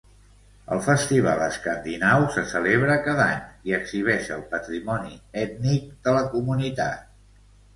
El Festival Escandinau se celebra cada any i exhibeix el patrimoni ètnic de la comunitat.